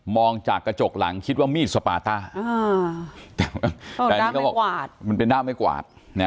มองจากกระจกหลังคิดว่ามีดสปาต้าเป็นด้ามไงกวาด